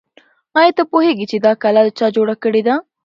آیا ته پوهېږې چې دا کلا چا جوړه کړې ده؟